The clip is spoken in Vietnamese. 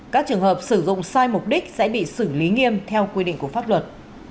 các trường hợp sử dụng sai mục đích sẽ bị xử lý nghiêm theo quy định của pháp luật